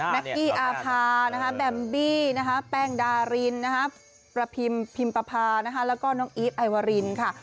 แม็กกี้อาภาแบมบี้แป้งดาลินประพิมพิมพาแล้วก็น้องอี๊ดไอวารินค่ะ